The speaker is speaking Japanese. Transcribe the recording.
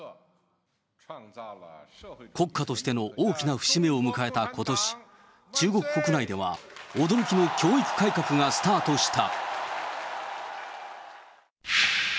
国家としての大きな節目を迎えたことし、中国国内では驚きの教育改革がスタートした。